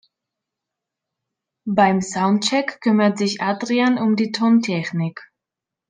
Beim Soundcheck kümmert sich Adrian um die Tontechnik.